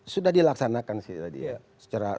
sudah dilaksanakan sih tadi ya